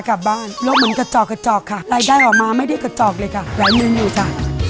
กลับบ้านพี่ลูกมันกระจอกกระจอกค่ะรายได้ออกมาไม่ได้กระจอกเลยจ่ะ